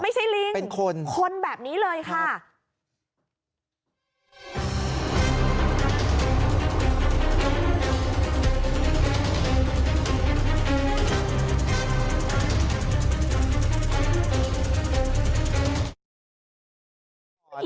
ไม่ใช่ลิงคนแบบนี้เลยค่ะครับเป็นคน